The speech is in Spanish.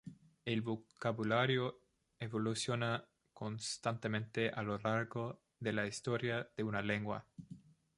El vocabulario evoluciona constantemente a lo largo de la historia de una lengua.